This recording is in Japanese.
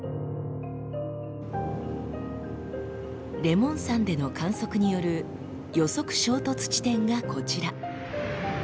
レモン山での観測による予測衝突地点がこちら。